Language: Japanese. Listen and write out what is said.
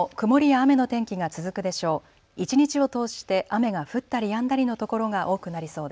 各地とも曇りや雨の天気が続くでしょう。